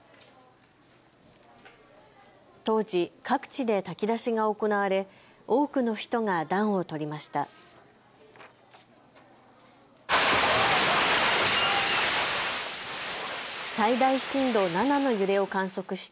当時、各地で炊き出しが行われ多くの人が暖を取りました。